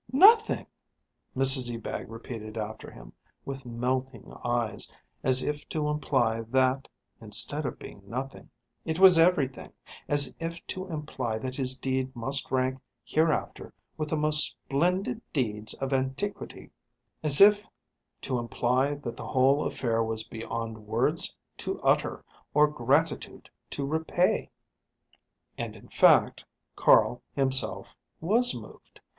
"Nothing?" Mrs Ebag repeated after him, with melting eyes, as if to imply that, instead of being nothing, it was everything; as if to imply that his deed must rank hereafter with the most splendid deeds of antiquity; as if to imply that the whole affair was beyond words to utter or gratitude to repay. And in fact Carl himself was moved.